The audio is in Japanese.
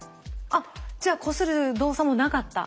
あっじゃあこする動作もなかった。